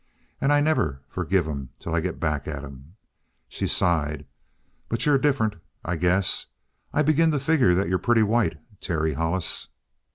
And I never forgive 'em till I get back at 'em." She sighed. "But you're different, I guess. I begin to figure that you're pretty white, Terry Hollis."